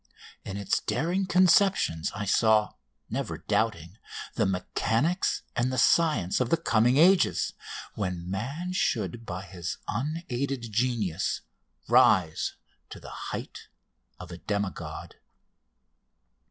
In its daring conceptions I saw, never doubting, the mechanics and the science of the coming ages, when man should by his unaided genius rise to the height of a demigod.